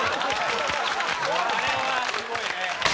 あれはすごいね。